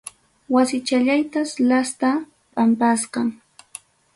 Wasichallaytas lasta pampachkan.